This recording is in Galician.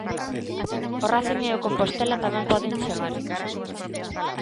O Rácnig e o Compostela tamén poden chegar.